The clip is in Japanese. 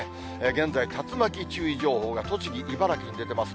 現在、竜巻注意情報が栃木、茨城に出ています。